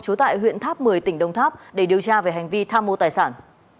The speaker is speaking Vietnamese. trú tại huyện tháp một mươi tỉnh đông tháp để điều tra về hành vi tham mô tài sản